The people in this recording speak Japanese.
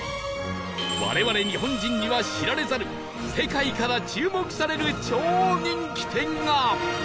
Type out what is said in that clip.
我々日本人には知られざる世界から注目される超人気店が